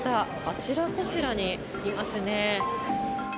あちらこちらにいますね。